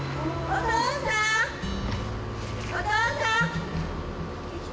お父さん！